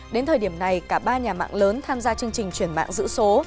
đến thời điểm này cả ba nhà mạng lớn tham gia chương trình chuyển mạng giữ số